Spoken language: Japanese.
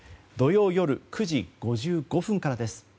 土曜夜９時５５分からです。